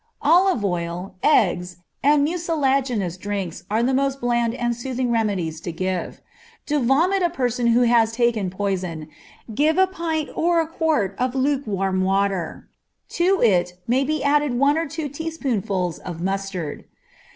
Olive oil, eggs, and mucilaginous drinks are the most bland and soothing remedies to give. To vomit a person who has taken poison, give a pint or a quart of lukewarm water; to it may be added one or two teaspoonfuls of mustard.